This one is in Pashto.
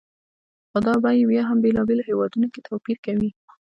خو دا بیې بیا هم بېلابېلو هېوادونو کې توپیر کوي.